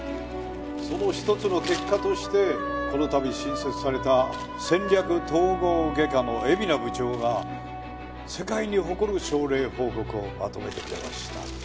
その１つの結果としてこの度新設された戦略統合外科の海老名部長が世界に誇る症例報告をまとめてくれました。